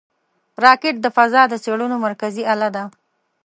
راکټ د فضا د څېړنو مرکزي اله ده